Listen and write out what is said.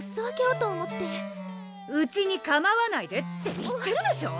うちに構わないでって言ってるでしょ！